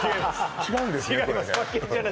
違うんですね